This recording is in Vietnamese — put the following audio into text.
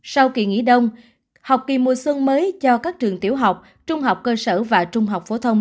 sau kỳ nghỉ đông học kỳ mùa xuân mới cho các trường tiểu học trung học cơ sở và trung học phổ thông